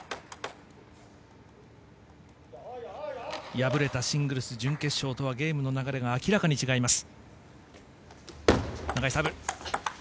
敗れたシングルス準決勝とはゲームの流れが明らかに違います。